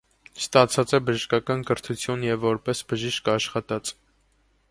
Ստացած է բժշկական կրթութիւն եւ որպէս բժիշկ աշխատած։